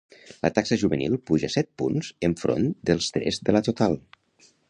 La taxa juvenil puja set punts enfront dels tres de la total.